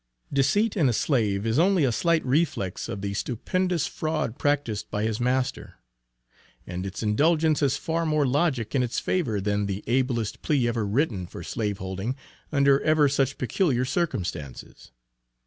Deceit in a slave, is only a slight reflex of the stupendous fraud practised by his master. And its indulgence has far more logic in its favor, than the ablest plea ever written for slave holding, under ever such peculiar circumstances.